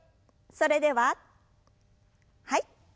それでははい。